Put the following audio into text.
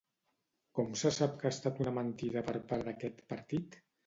Com se sap que ha estat una mentida per part d'aquest partit?